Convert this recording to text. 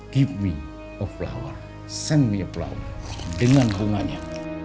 berikan saya sebuah bunga